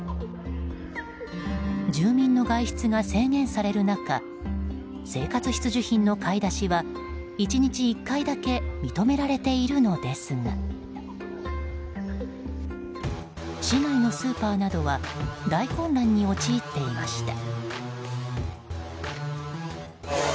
住民の外出が制限される中生活必需品の買い出しは１日１回だけ認められているのですが市内のスーパーなどは大混乱に陥っていました。